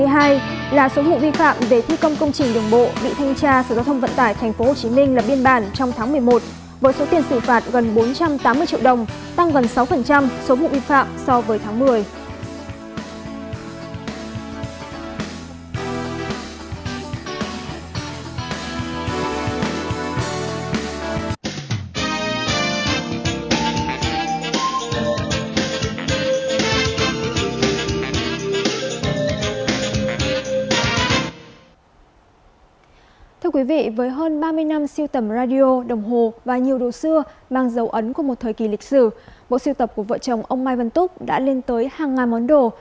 hãy đăng ký kênh để ủng hộ kênh của mình nhé